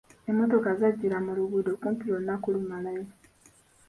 Emmotoka zajjula mu luguudo kumpi lwonna kulumalayo.